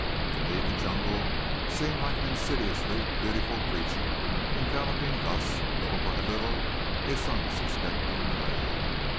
To me the jungle seemed like an insidiously beautiful creature enveloping thus, little by little, its unsuspecting prey.